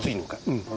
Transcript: うん。